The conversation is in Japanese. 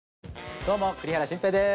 どうも栗原心平です。